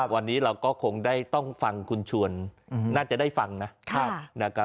วันนี้เราก็คงได้ต้องฟังคุณชวนน่าจะได้ฟังนะ